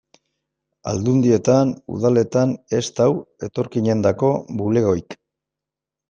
Aldundietan, udaletan, ez dago etorkinentzako bulegorik.